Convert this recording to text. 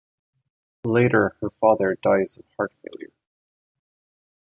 Later her father dies of heart failure.